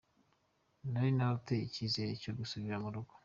Nari narataye icyizere cyo gusubira mu rugo".